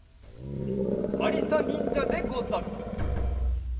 ありさにんじゃでござる。